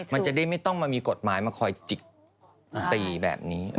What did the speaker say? มันจะได้ไม่ต้องมามีกฎหมายมาคอยจิกตีแบบนี้